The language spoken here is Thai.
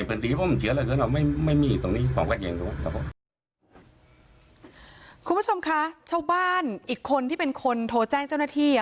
คุณผู้ชมคะชาวบ้านอีกคนที่เป็นคนโทรแจ้งเจ้าหน้าที่